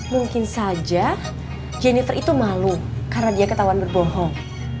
mungkin saja jennifer itu malu karena dia ketahuan berbohong